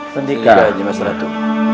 tindai aja mas ratu